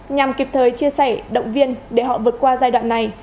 nhằm kịp thời chia sẻ động viên để họ vượt qua giai đoạn này